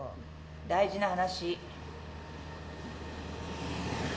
大事な話。